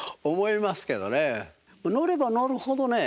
乗れば乗るほどね